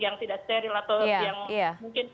yang tidak steril atau yang mungkin